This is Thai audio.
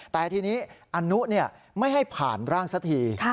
แต่ทีนี้อนุไม่ให้ผ่านร่างสักที